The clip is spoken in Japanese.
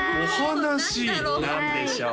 何でしょう？